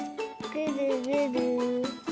ぐるぐる？